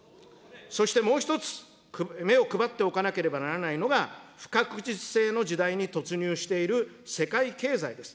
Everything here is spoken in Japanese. そしてもう一つ、目を配っておかなければならないのが、不確実性の時代に突入している世界経済です。